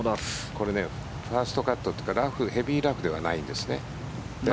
これファーストカットというかヘビーラフではないです。